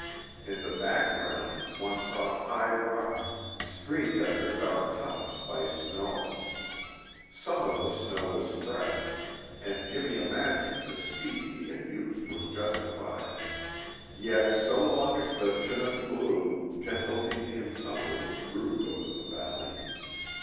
In the background, one saw high rocks, streaked at their dark tops by snow. Some of the snow was fresh, and Jimmy imagined the speed he had used was justified. Yet, so long as the Chinook blew, gentle Indian summer would brood over the valley.